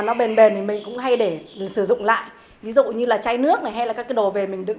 nó bền bền thì mình cũng hay để mình sử dụng lại ví dụ như là chai nước này hay là các cái đồ về mình đự